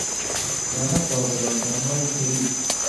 جا نەخوازەڵا داماوی شەریف